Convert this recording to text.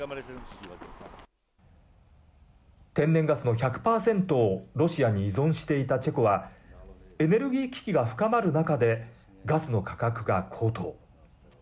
天然ガスの１００％をロシアに依存していたチェコはエネルギー危機が深まる中でガスの価格が高騰。